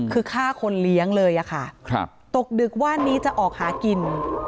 คือฆ่าคนเลี้ยงเลยค่ะตกดึกว่านนี้จะออกหากิน